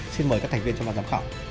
xin mời các thành viên trong bàn giám khảo